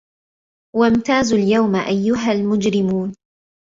وَامتازُوا اليَومَ أَيُّهَا المُجرِمونَ